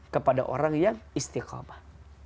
kepada orang yang istiqomah